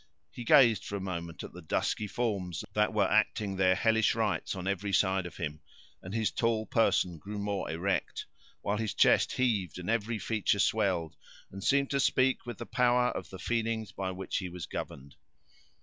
He gazed for a moment at the dusky forms that were acting their hellish rites on every side of him, and his tall person grew more erect while his chest heaved, and every feature swelled, and seemed to speak with the power of the feelings by which he was governed.